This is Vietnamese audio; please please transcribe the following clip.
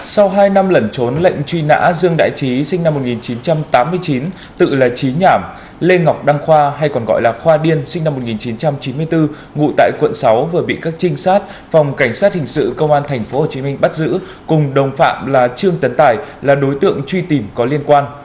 sau hai năm lẩn trốn lệnh truy nã dương đại trí sinh năm một nghìn chín trăm tám mươi chín tự là trí nhảm lê ngọc đăng khoa hay còn gọi là khoa điên sinh năm một nghìn chín trăm chín mươi bốn ngụ tại quận sáu vừa bị các trinh sát phòng cảnh sát hình sự công an tp hcm bắt giữ cùng đồng phạm là trương tấn tài là đối tượng truy tìm có liên quan